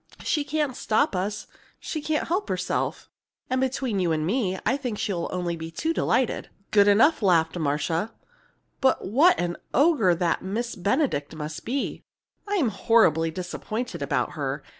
She can't stop us she can't help herself; and between you and me, I think she'll be only too delighted!" "Good enough!" laughed Marcia. "But what an ogre that Miss Benedict must be! I'm horribly disappointed about her.